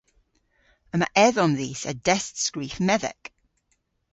Yma edhom dhis a destskrif medhek.